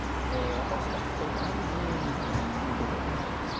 私たちと同じ陣営にいるということになるわけです。